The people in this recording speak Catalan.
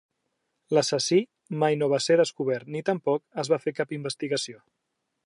L'assassí mai no va ser descobert ni tampoc es va fer cap investigació.